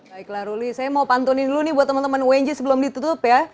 baiklah ruli saya mau pantunin dulu nih buat teman teman unj sebelum ditutup ya